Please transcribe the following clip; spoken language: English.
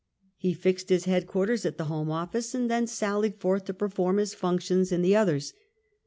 He fixed his head quarters at the Home Office, and thence sallied forth to perform his functions in the others.